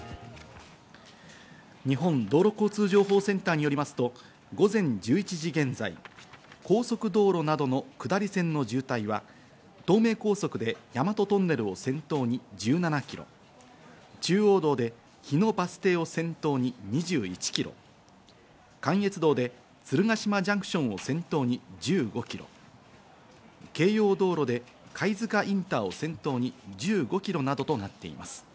日本道路交通情報センターによりますと、午前１１時現在、高速道路などの下り線の渋滞は、東名高速で大和トンネルを先頭に１７ｋｍ、中央道で日野バス停を先頭に２１ｋｍ、関越道で鶴ヶ島ジャンクションを先頭に１５ｋｍ、京葉道路で貝塚インターを先頭に１５ｋｍなどとなっています。